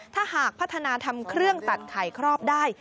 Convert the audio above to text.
ถ้าหากพัฒนาทำเครื่องตัดไข่ครอบได้